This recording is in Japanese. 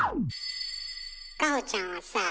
果歩ちゃんはさ